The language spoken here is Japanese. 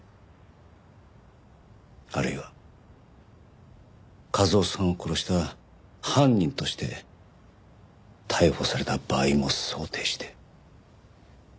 あるいは一雄さんを殺した犯人として逮捕された場合も想定して。